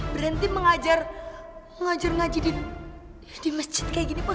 berhenti mengajar ngaji di masjid kayak gini pak